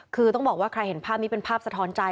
คือต้องบอกว่าใครเห็นภาพนี้เป็นภาพสะท้อนใจ